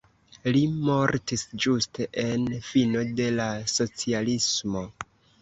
Li mortis ĝuste en fino de la socialismo.